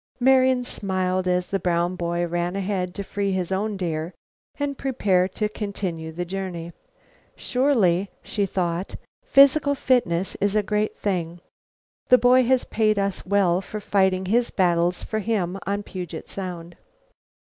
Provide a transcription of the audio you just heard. Marian smiled as the brown boy ran ahead to free his own deer and prepare to continue the journey. "Surely," she thought, "physical fitness is a great thing. The boy has paid us well for fighting his battles for him on Puget Sound."